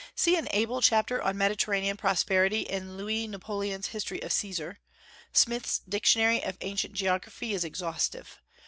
See an able chapter on Mediterranean prosperity in Louis Napoleon's History of Caesar. Smith's Dictionary of Ancient Geography is exhaustive.